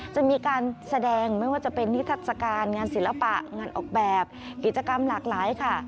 จะมีการแสดงไม่ว่าจะเป็นนิทัศกาลงานศิลปะงานออกแบบกิจกรรมหลากหลายค่ะ